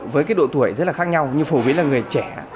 với cái độ tuổi rất là khác nhau nhưng phổ biến là người trẻ